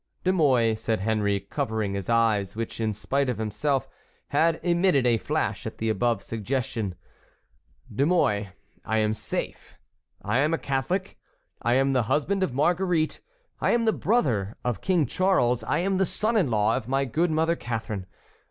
"De Mouy," said Henry, covering his eyes, which in spite of himself had emitted a flash at the above suggestion, "De Mouy, I am safe, I am a Catholic, I am the husband of Marguerite, I am the brother of King Charles, I am the son in law of my good mother Catharine.